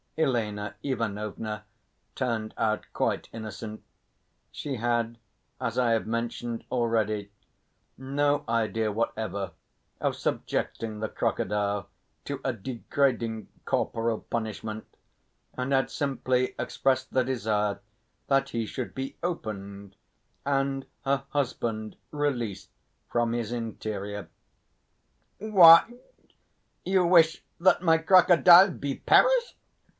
Elena Ivanovna turned out quite innocent; she had, as I have mentioned already, no idea whatever of subjecting the crocodile to a degrading corporal punishment, and had simply expressed the desire that he should be opened and her husband released from his interior. "What! You wish that my crocodile be perished!"